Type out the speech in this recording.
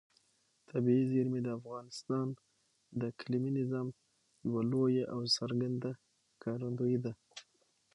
طبیعي زیرمې د افغانستان د اقلیمي نظام یوه لویه او څرګنده ښکارندوی ده.